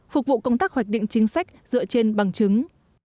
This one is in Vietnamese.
phục vụ công tác hoạch định chính sách dựa trên bằng chứng